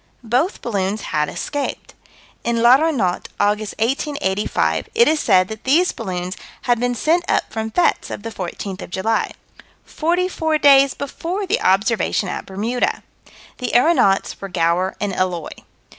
Both balloons had escaped. In L'Aéronaute, August, 1885, it is said that these balloons had been sent up from fêtes of the fourteenth of July 44 days before the observation at Bermuda. The aeronauts were Gower and Eloy.